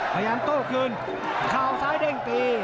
พยานโต้ขึ้นเข้าซ้ายเด้งตี